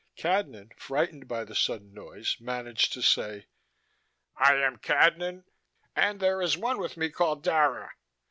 Cadnan, frightened by the sudden noise, managed to says "I am Cadnan and there is one with me called Dara.